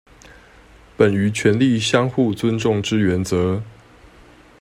本於權力相互尊重之原則